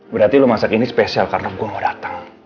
berarti lo masak ini spesial karena gue mau datang